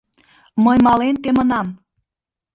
— Мый мален темынам.